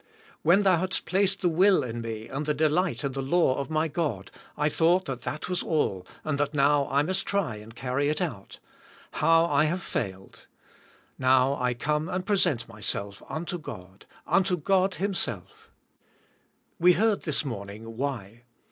When Thou hadst placed the will in me and the delig ht in the law of my God, I thought that that was all, and that now I must try and carry it out. How I have failed. Now I come and present myself unto God, unto God, Himself " We heard this morning why.